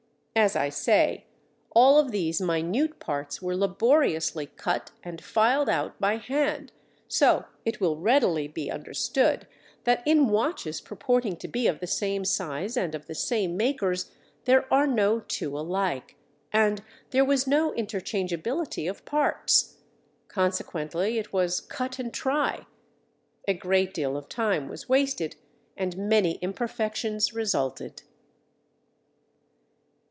As I say, all of these minute parts were laboriously cut and filed out by hand, so it will readily be understood that in watches purporting to be of the same size and of the same makers, there are no two alike, and there was no interchangeability of parts. Consequently it was 'cut and try'. A great deal of time was wasted and many imperfections resulted."